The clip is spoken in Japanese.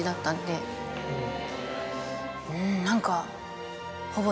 うん何か。